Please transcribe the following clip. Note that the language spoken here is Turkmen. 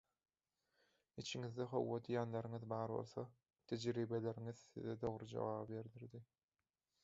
Içiňizde "hawa" diýýänleriňiz bar bolsa tejribeleriňiz size dogry jogaby berdirdi.